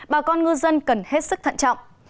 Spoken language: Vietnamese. bà con ngư dân cần hết sức thận trọng